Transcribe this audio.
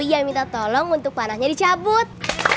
ia minta tolong untuk panahnya dicabut